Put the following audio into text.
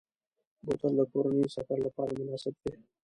بوتل د کورنۍ سفر لپاره مناسب دی.